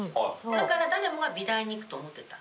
だから誰もが美大に行くと思ってた。